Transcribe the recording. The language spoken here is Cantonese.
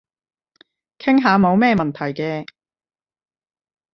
傾下冇咩問題嘅